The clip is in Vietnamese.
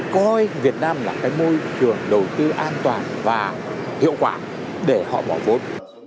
coi việt nam là cái môi trường đầu tư an toàn và hiệu quả để họ bỏ vốn